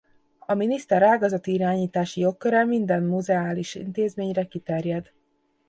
A miniszter ágazati irányítási jogköre minden muzeális intézményre kiterjed.